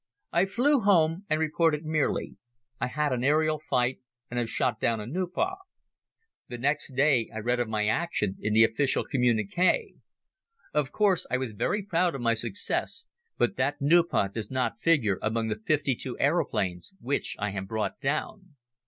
I flew home and reported merely: "I had an aerial fight and have shot down a Nieuport." The next day I read of my action in the official communiqué. Of course I was very proud of my success, but that Nieuport does not figure among the fifty two aeroplanes which I have brought down.